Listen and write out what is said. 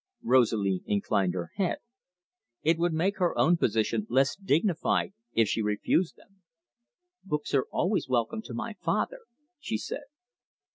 Rosalie inclined her head. It would make her own position less dignified if she refused them. "Books are always welcome to my father," she said.